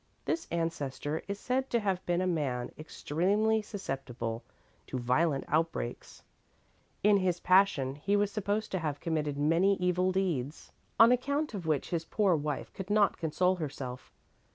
"This ancestor is said to have been a man extremely susceptible to violent outbreaks. In his passion he was supposed to have committed many evil deeds, on account of which his poor wife could not console herself.